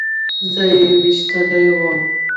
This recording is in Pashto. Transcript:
زه يې ويشتلى وم.